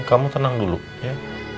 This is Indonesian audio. kamu tenang dulu ya